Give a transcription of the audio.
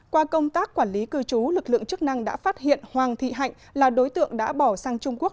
qua công tác quản lý cư trú lực lượng chức năng đã phát hiện hoàng thị hạnh là đối tượng đã bỏ sang trung quốc